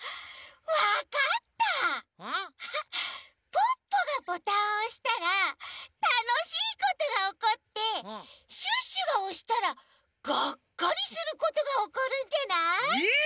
ポッポがボタンをおしたらたのしいことがおこってシュッシュがおしたらガッカリすることがおこるんじゃない？え！？